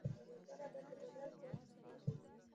د مزل عادت د بدن قوت ساتي.